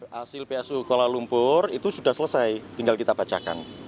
hasil psu kuala lumpur itu sudah selesai tinggal kita bacakan